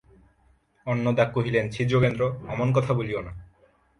অন্নদা কহিলেন, ছি যোগেন্দ্র, অমন কথা বলিয়ো না।